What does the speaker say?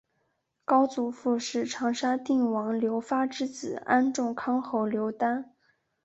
高祖父是长沙定王刘发之子安众康侯刘丹。